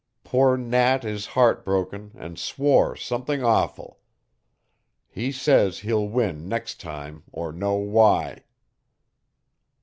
Poor Nat is heartbroken and swore something awful. He says he'll win next time or know why!"